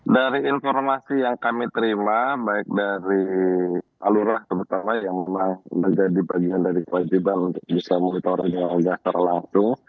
dari informasi yang kami terima baik dari alurah terutama yang memang menjadi bagian dari kewajiban untuk bisa monitor dasar langsung